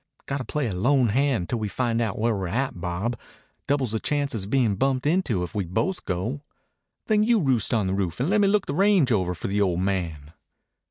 "Got to play a lone hand till we find out where we're at, Bob. Doubles the chances of being bumped into if we both go." "Then you roost on the roof and lemme look the range over for the old man."